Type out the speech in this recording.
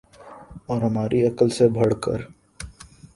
اور ہماری عقل سے بڑھ کر